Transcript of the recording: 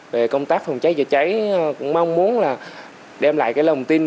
về công tác phòng cháy chữa cháy cũng mong muốn đem lại lòng tin